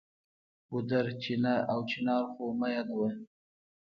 ګودر، چینه او چنار خو مه یادوه.